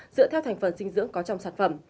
dựa theo thành phần dinh dưỡng có trong sản phẩm